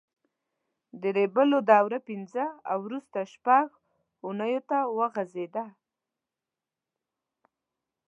د ریبلو دوره پینځه او وروسته شپږ اوونیو ته وغځېده.